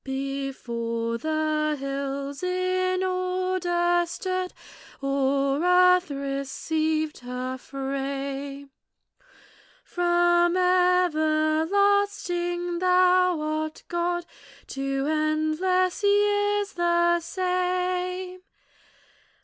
Before the hills in order stood, Or earth received her frame, From everlasting thou art God, To endless years the same.